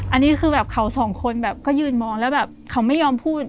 อันนี้คือเขา๒คนก็ยืนมองแล้วเขาไม่ยอมพูด